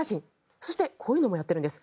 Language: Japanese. そしてこういうのもやってるんです。